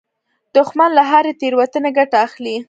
دښمن له هرې تېروتنې ګټه اخلي